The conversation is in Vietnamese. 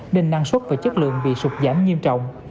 nên năng suất và chất lượng bị sụt giảm nghiêm trọng